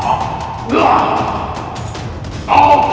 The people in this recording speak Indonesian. tidak perlu cipay